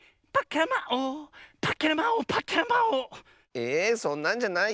えそんなんじゃないよ。